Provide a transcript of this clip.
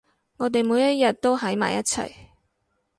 我哋每一日都喺埋一齊